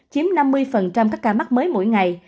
chiếm năm mươi các ca mắc mới mỗi ngày